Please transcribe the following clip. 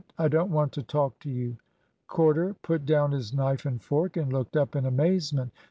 I don't want to talk to you." Corder put down his knife and fork, and looked up in amazement.